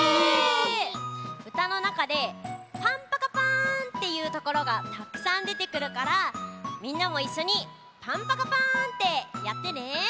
うたのなかで「パンパカパーン」っていうところがたくさんでてくるからみんなもいっしょに「パンパカパーン」ってやってね。